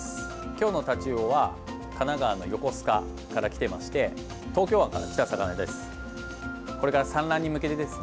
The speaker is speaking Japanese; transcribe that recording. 今日のタチウオは神奈川の横須賀から来てまして東京湾から来た魚です。